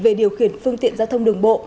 về điều khiển phương tiện giao thông đường bộ